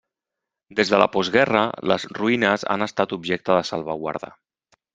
Des de la postguerra, les ruïnes han estat objecte de salvaguarda.